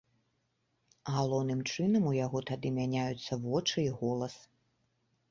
Галоўным чынам у яго тады мяняюцца вочы і голас.